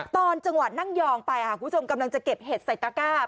ตอนจังหวะนั่งยองไปค่ะคุณผู้ชมกำลังจะเก็บเห็ดใส่ตระก้า